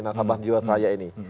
nasabah jiwaseraya ini